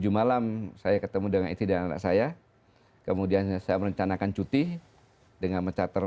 tujuh malam saya ketemu dengan istri dan anak saya kemudian saya merencanakan cuti dengan mencater